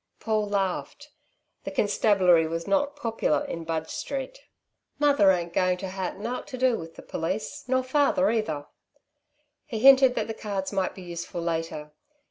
Paul laughed. The constabulary was not popular in Budge Street. "Mother ain't going to ha' nowt to do with the police, nor father, either." He hinted that the cards might be useful later.